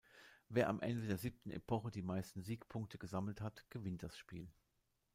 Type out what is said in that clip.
Wer am Ende der siebten Epoche die meisten Siegpunkte gesammelt hat, gewinnt das Spiel.